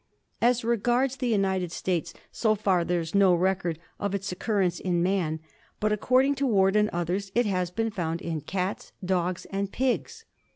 As regards the United States, so far there is no record of its occurrence in man, but, according to Ward and others, it has been found in cats, dogs, and pigs.